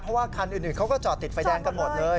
เพราะว่าคันอื่นเขาก็จอดติดไฟแดงกันหมดเลย